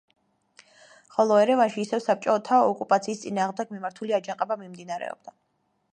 ხოლო ერევანში ისევ საბჭოთა ოკუპაციის წინააღმდეგ მიმართული აჯანყება მიმდინარეობდა.